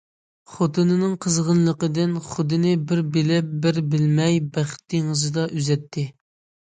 خوتۇنىنىڭ قىزغىنلىقىدىن خۇدىنى بىر بىلىپ، بىر بىلمەي بەخت دېڭىزىدا ئۈزەتتى.